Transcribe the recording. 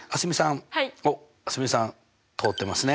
おっ蒼澄さん通ってますね。